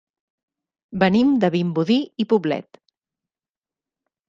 Venim de Vimbodí i Poblet.